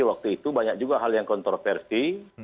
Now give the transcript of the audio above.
waktu itu banyak juga hal yang kontroversi